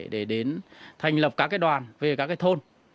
để đến thành lập các đoàn về các thôn